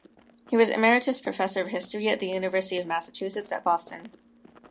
He was Emeritus Professor of history at the University of Massachusetts at Boston.